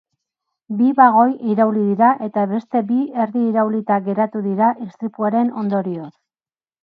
Bi bagoi irauli dira eta beste bi erdi iraulita geratu dira istripuaren ondorioz.